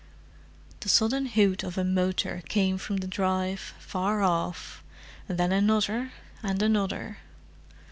The sudden hoot of a motor came from the drive, far off; and then another, and another.